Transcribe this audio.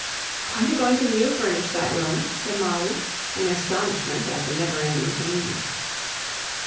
"Are you going to new furnish that room?" said Molly, in astonishment at the never ending changes.